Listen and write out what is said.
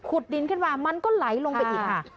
ดินขึ้นมามันก็ไหลลงไปอีกค่ะ